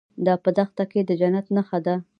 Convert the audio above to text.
دا په دښته کې د جنت نښه ده.